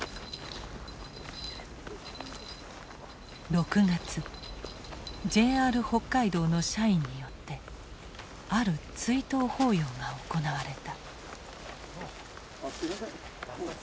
６月ＪＲ北海道の社員によってある追悼法要が行われた。